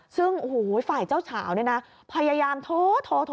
ซึ่งฝ่ายเจ้าเฉานี่นะพยายามโทร